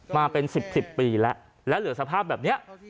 มาเป็นสิบสิบปีแล้วแล้วเหลือสภาพแบบเนี้ย